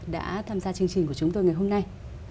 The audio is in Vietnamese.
đã tham gia chương trình của chúng tôi ngày hôm nay